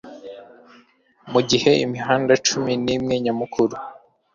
mugihe imihanda cumi nimwe nyamukuru